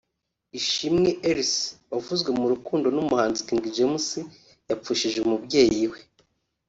Ishimwe Elcy wavuzwe mu rukundo n’umuhanzi King James yapfushije umubyeyi we